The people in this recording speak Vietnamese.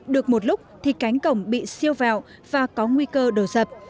được một lúc thì cánh cổng bị siêu vào và có nguy cơ đổ sập